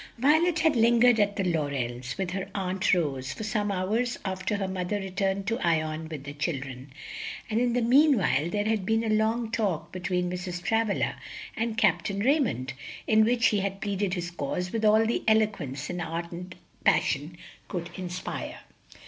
"_ Violet had lingered at the Laurels, with her Aunt Rose, for some hours after her mother returned to Ion with the children, and in the meanwhile there had been a long talk between Mrs. Travilla and Capt. Raymond, in which he had pleaded his cause with all the eloquence an ardent passion could inspire.